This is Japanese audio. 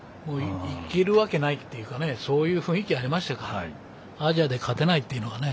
行けるわけないというかねそういう雰囲気がありましたアジアで勝てなかったというのはね。